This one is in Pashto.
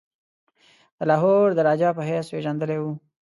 د لاهور د راجا په حیث پيژندلی وو.